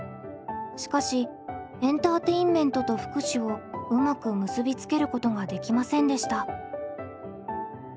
しかしエンターテインメントと福祉をうまく結び付けることができませんでした。